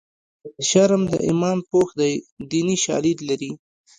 شرم د ایمان پوښ دی دیني شالید لري